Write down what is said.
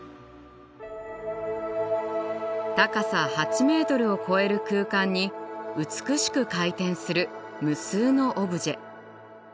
高さ８メートルを超える空間に美しく回転する無数のオブジェ。